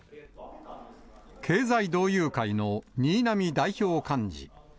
経済同友会の新浪代表幹事。